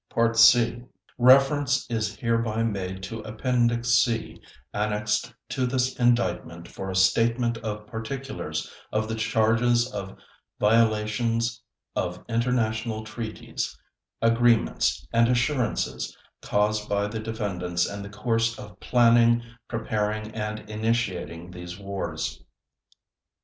(C) Reference is hereby made to Appendix C annexed to this Indictment for a statement of particulars of the charges of violations of international treaties, agreements, and assurances caused by the defendants in the course of planning, preparing, and initiating these wars.